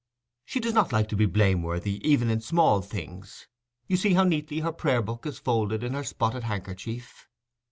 She does not like to be blameworthy even in small things: you see how neatly her prayer book is folded in her spotted handkerchief.